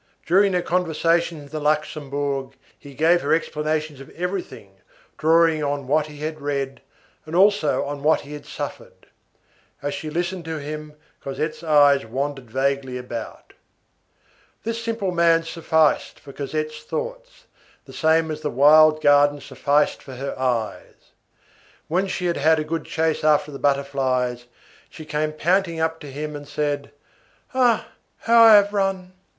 During their conversations in the Luxembourg, he gave her explanations of everything, drawing on what he had read, and also on what he had suffered. As she listened to him, Cosette's eyes wandered vaguely about. This simple man sufficed for Cosette's thought, the same as the wild garden sufficed for her eyes. When she had had a good chase after the butterflies, she came panting up to him and said: "Ah! How I have run!"